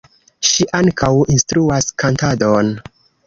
Ŝi ankaŭ instruas kantadon.